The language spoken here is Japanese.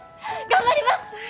頑張ります！